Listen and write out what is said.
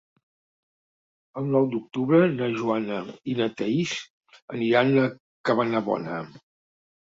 El nou d'octubre na Joana i na Thaís aniran a Cabanabona.